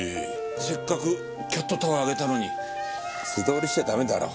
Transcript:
せっかくキャットタワーあげたのに素通りしちゃ駄目だろ。